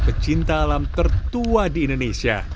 pecinta alam tertua di indonesia